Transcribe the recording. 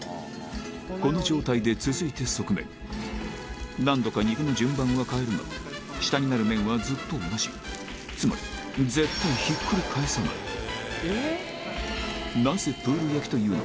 この状態で続いて側面何度か肉の順番は変えるが下になる面はずっと同じつまり絶対なぜ「プール焼き」というのか？